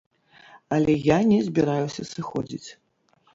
Але я не збіраюся сыходзіць.